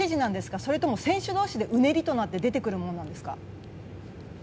それとも選手同士でうねりとなって出てくるものなんですか？